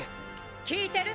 聞いてる？